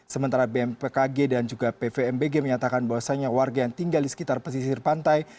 sementara bmkg dan juga pvmbg menyatakan bahwasannya warga yang tinggal di sekitar pesisir pantai